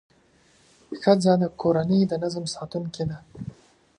ښځه د کورنۍ د نظم ساتونکې ده.